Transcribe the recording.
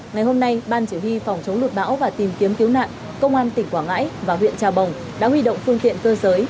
ngày hôm nay ban chỉ huy phòng chống lụt bão và tìm kiếm cứu nạn công an tỉnh quảng ngãi và huyện trà bồng đã huy động phương tiện cơ giới